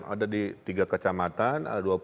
ada di tiga kecamatan